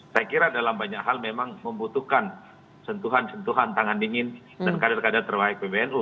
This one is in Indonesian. saya kira dalam banyak hal memang membutuhkan sentuhan sentuhan tangan dingin dan kader kader terbaik pbnu